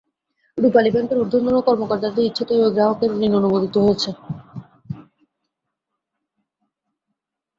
রূপালী ব্যাংকের ঊর্ধ্বতন কর্মকর্তাদের ইচ্ছাতেই ওই গ্রাহকের ঋণ অনুমোদিত হয়েছে।